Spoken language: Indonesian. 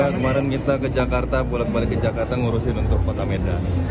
kemarin kita ke jakarta pulang balik ke jakarta ngurusin untuk kota medan